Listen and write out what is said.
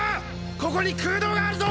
ここに空洞があるぞ！！